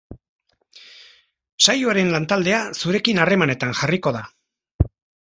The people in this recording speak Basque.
Saioaren lantaldea zurekin harremanetan jarriko da.